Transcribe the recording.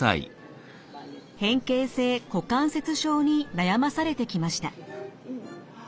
変形性股関節症に悩まされてきました。